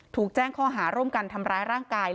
ถูกแจ้งข้อหาร่วมกันทำร้ายร่างกาย